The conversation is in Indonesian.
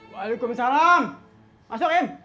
waalaikumsalam masuk im